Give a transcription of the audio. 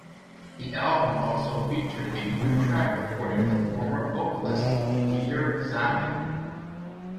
The album also featured a new track recorded with former vocalist Deeder Zaman.